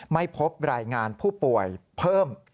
ไม่พบรายงานผู้ป่วยเพิ่ม